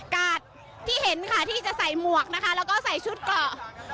กาดที่เห็นค่ะที่จะใส่หมวกนะคะแล้วก็ใส่ชุดเกาะ